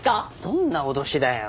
どんな脅しだよ。